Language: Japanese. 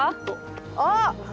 あっ！